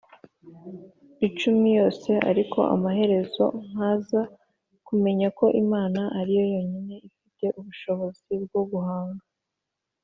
Icumi yose ariko amaherezo nkaza kumenya ko imana ari yo yonyine ifite ubushobozi bwo guhanga